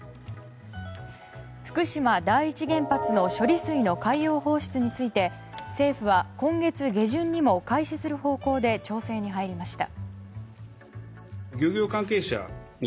福島第一原発の処理水の海洋放出について政府は今月下旬にも開始する方向で調整に入りました。